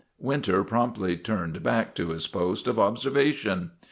Winter promptly turned back to his post of observa tion.